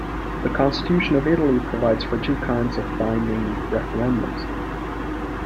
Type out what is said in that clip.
The constitution of Italy provides for two kinds of binding referendums.